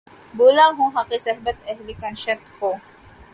بھولا ہوں حقِ صحبتِ اہلِ کنشت کو